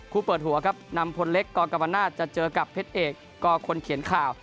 เปิดหัวครับนำพลเล็กกรกรรมนาศจะเจอกับเพชรเอกก็คนเขียนข่าว